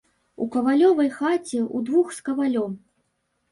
У кавалёвай хаце, удвух з кавалём.